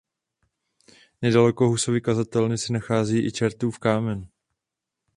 Nedaleko Husovy kazatelny se nachází i „Čertův kámen“.